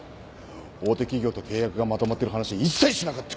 大手企業と契約がまとまってる話一切しなかった。